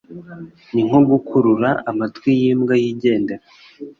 ni nko gukurura amatwi y’imbwa yigendera